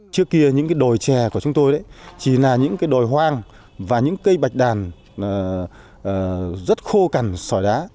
trước kia những cái đồi chè của chúng tôi đấy chỉ là những cái đồi hoang và những cây bạch đàn rất khô cằn sỏi đá